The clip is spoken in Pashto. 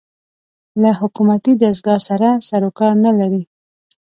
له حکومتي دستګاه سره سر و کار نه لري